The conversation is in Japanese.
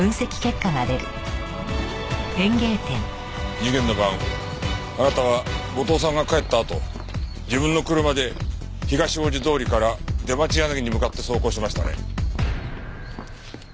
事件の晩あなたは後藤さんが帰ったあと自分の車で東大路通から出町柳に向かって走行しましたね？